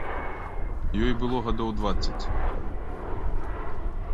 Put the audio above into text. Ёй было гадоў дваццаць.